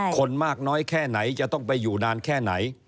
คนมากน้อยแค่ไหนจะต้องไปอยู่นานแค่ไหน